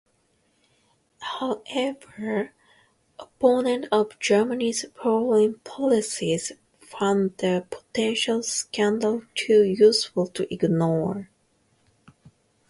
However, opponents of Germany's foreign policies found the potential scandal too useful to ignore.